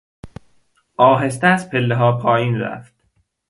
آهسته از پلهها پایین رفت.